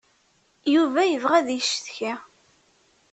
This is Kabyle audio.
Yuba yebɣa ad yeccetki.